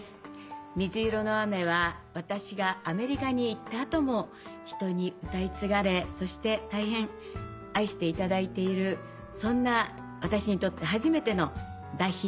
『みずいろの雨』は私がアメリカに行った後も人に歌い継がれそして大変愛していただいているそんな私にとって初めての大ヒットソングです。